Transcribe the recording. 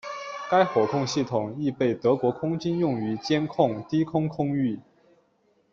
该火控系统亦被德国空军用于监控低空空域。